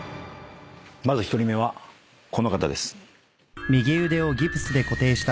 まず１人目はこの方です。